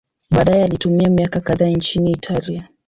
Baadaye alitumia miaka kadhaa nchini Italia.